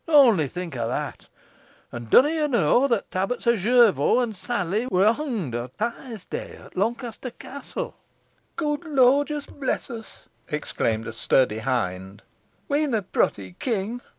Ony think o' that. An dunna yo knoa that t' Abbuts o' Jervaux an Salley wor hongt o' Tizeday at Loncaster Castle?" "Good lorjus bless us!" exclaimed a sturdy hind, "we'n a protty king.